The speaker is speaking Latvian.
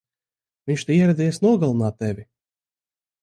Viņš te ieradies nogalināt tevi!